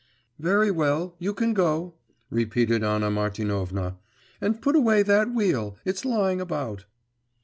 'Very well … you can go,' repeated Anna Martinovna; 'and put away that wheel, it's lying about.